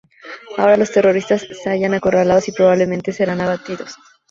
Ahora, los terroristas se hayan acorralados y probablemente serán abatidos.